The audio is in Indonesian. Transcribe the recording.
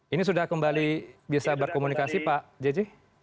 ini sudah kembali bisa berkomunikasi pak jj